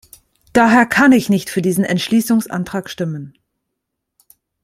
Daher kann ich nicht für diesen Entschließungsantrag stimmen.